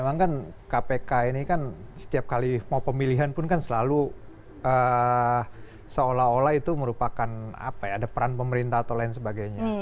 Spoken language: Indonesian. memang kan kpk ini kan setiap kali mau pemilihan pun kan selalu seolah olah itu merupakan apa ya ada peran pemerintah atau lain sebagainya